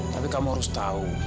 tapi kamu harus tahu